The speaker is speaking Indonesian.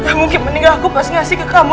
nggak mungkin meninggal aku pas ngasih ke kamu